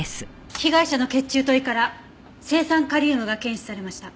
被害者の血中と胃から青酸カリウムが検出されました。